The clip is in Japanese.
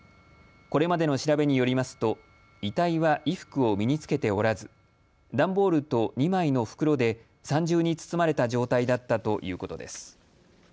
これまでの調べによりますと遺体は衣服を身につけておらず段ボールと２枚の袋で３重に包まれた状態だったということです。